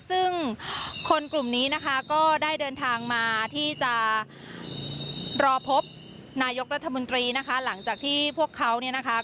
ซึ่งคนกลุ่มนี้ก็ได้เดินทางมาที่จะรอพบนายกรัฐมนตรีหลังจากที่พวกเขา